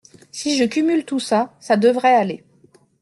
Si je cumule tout ça, ça devrait aller.